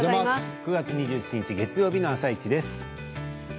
９月２７日、月曜日の「あさイチ」です。